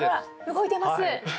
動いてます！